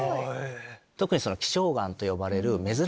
特に。